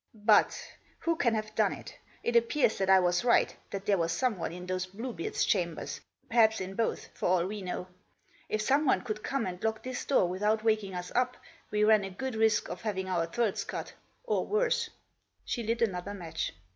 But — who can have done it ? It appears that I was right, that there was someone in those Bluebeard's chambers — perhaps in both, for all we know. If someone could come and lock this door without waking us up, we ran a good risk of having our throats cut> or worse." She lit another match.